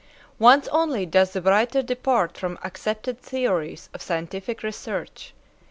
Once only does the writer depart from accepted theories of scientific research.